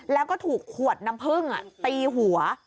แล้วก็ถูกขวดน้ำพึ่งตีหัว